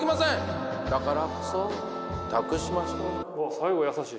最後優しい。